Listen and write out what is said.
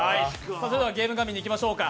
ゲーム画面にいきましょうか。